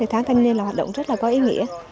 tháng thanh niên là hoạt động rất là có ý nghĩa